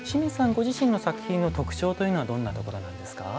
ご自身の作品の特徴というのはどんなところなんですか？